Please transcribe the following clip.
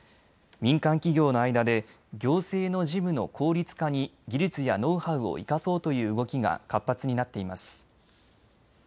民間企業の間で行政の事務の効率化に技術やノウハウを生かそうという動きが活発になっています。